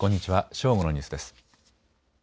正午のニュースです。